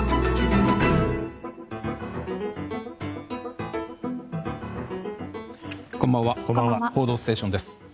「報道ステーション」です。